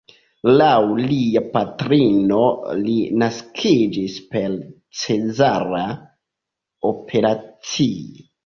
Laŭ lia patrino li naskiĝis per cezara operacio.